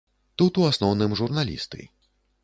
Тут, у асноўным журналісты.